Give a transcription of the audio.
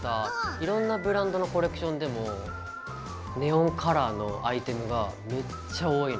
いろんなブランドのコレクションでもネオンカラーのアイテムがめっちゃ多いの。